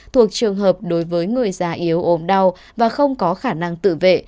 thuộc trường hợp đối với người già yếu ốm đau và không có khả năng tự vệ